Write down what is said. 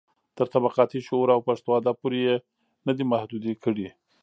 تر طبقاتي شعور او پښتو ادب پورې يې نه دي محدوې کړي.